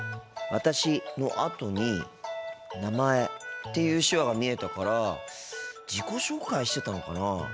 「私」のあとに「名前」っていう手話が見えたから自己紹介してたのかなあ。